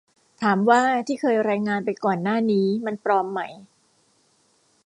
ถามว่าที่เคยรายงานไปก่อนหน้านี้มันปลอมไหม